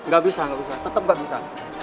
gak bisa tetep gak bisa